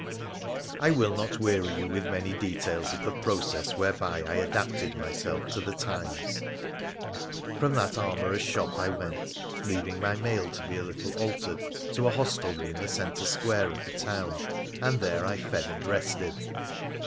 I will not weary you with many details of the process where by I adapted myself to the times. From that armourer's shop I went — leaving my mail to be a little altered— to a hostelry in the centre square of the town, and there I fed and rested.